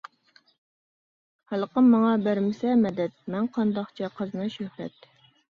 خەلقىم ماڭا بەرمىسە مەدەت، مەن قانداقچە قازىناي شۆھرەت؟ .